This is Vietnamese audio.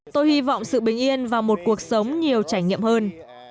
tôi hy vọng sự bình yên và một cuộc sống nhiều trải nghiệm hơn